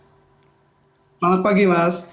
selamat pagi mas